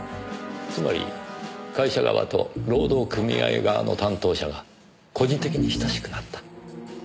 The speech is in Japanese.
つまり会社側と労働組合側の担当者が個人的に親しくなった。